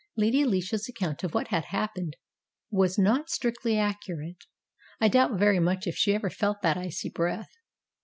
Lady Alicia's account of what had happened was not strictly accurate. I doubt very much if she ever felt that icy breath.